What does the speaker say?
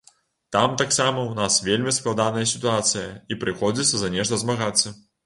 Там таксама ў нас вельмі складаная сітуацыя, і прыходзіцца за нешта змагацца.